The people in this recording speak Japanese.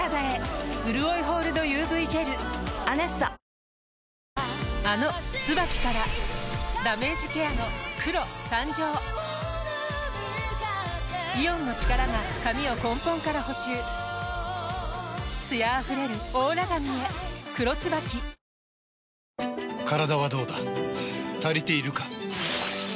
シミも防ぐあの「ＴＳＵＢＡＫＩ」からダメージケアの黒誕生イオンの力が髪を根本から補修艶あふれるオーラ髪へ「黒ＴＳＵＢＡＫＩ」「ビオレ」のまさつレス洗顔？